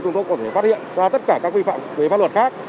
chúng tôi có thể phát hiện ra tất cả các vi phạm về pháp luật khác